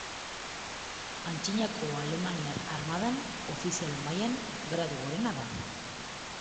Antzinako alemaniar armadan, ofizialen mailan, gradu gorena da.